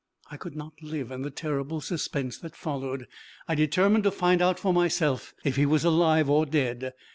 I could not live in the terrible suspense that followed. I determined to find out for myself if he was alive or dead.